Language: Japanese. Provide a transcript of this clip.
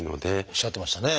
おっしゃってましたね。